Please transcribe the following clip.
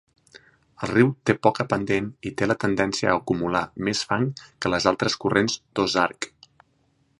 El riu té poca pendent i té la tendència a acumular més fang que les altres corrents d"Ozark.